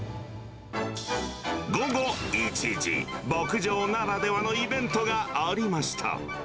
午後１時、牧場ならではのイベントがありました。